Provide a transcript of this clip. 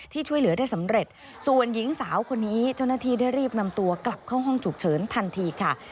ช่วยเหลือได้สำเร็จส่วนหญิงสาวคนนี้เจ้าหน้าที่ได้รีบนำตัวกลับเข้าห้องฉุกเฉินทันทีค่ะ